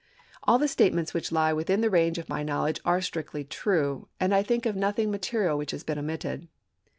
All the statements which lie within the range of my knowledge are strictly true ; and I think of nothing material which has been omitted.